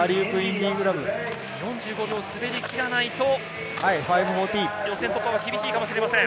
４５秒滑りきらないと、予選突破は厳しいかもしれません。